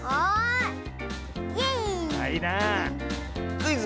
「クイズ！